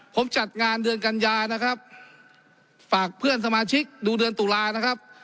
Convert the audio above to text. ผมจัดงานเดือนกัญญานะครับฝากเพื่อนสมาชิกดูเดือนตุลานะครับ